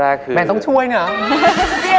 บิ๊กกกคิดว่าต้องช่วยเนี้ย